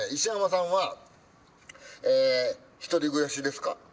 石山さんはえ１人暮らしですか？」。